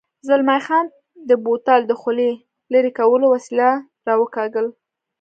زلمی خان د بوتل د خولې لرې کولو وسیله را وکاږل.